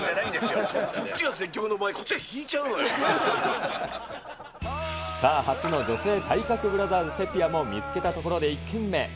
そっちが積極の場合、さあ、初の女性体格ブラザーズセピアも見つけたところで１軒目。